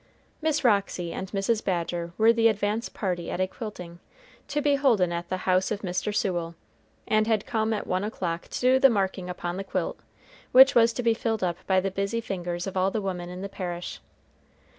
Miss Roxy and Mrs. Badger were the advance party at a quilting, to be holden at the house of Mr. Sewell, and had come at one o'clock to do the marking upon the quilt, which was to be filled up by the busy fingers of all the women in the parish.